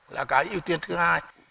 là cái ưu tiên thứ hai